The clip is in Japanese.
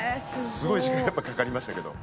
すごい時間かかりましたけど。